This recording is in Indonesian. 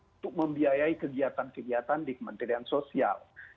untuk membiayai kegiatan kegiatan di kementerian sosial